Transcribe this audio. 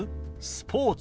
スポーツ。